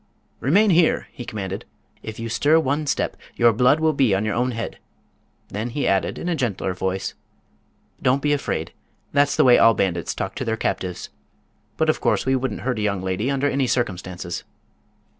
"Remain here!" he commanded. "If you stir one step your blood will be on your own head!" Then he added, in a gentler voice: "Don't be afraid; that's the way all bandits talk to their captives. But of course we wouldn't hurt a young lady under any circumstances."